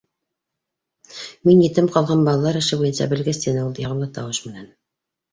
— Мин етем ҡалған балалар эше буйынса белгес, — тине ул яғымлы тауышы менән.